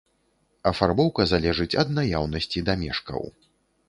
Афарбоўка залежыць ад наяўнасці дамешкаў.